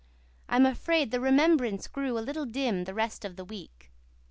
I am afraid the remembrance grew a little dim the rest of the week.